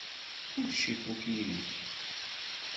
Kullec ifuk yid-k.